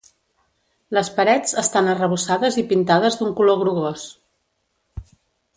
Les parets estan arrebossades i pintades d'un color grogós.